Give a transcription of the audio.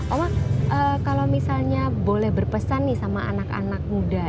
oma kalau misalnya boleh berpesan nih sama anak anak muda